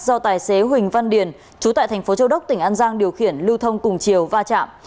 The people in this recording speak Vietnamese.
do tài xế huỳnh văn điền chú tại thành phố châu đốc tỉnh an giang điều khiển lưu thông cùng chiều va chạm